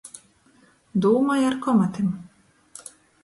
Dūmoj ar komatim!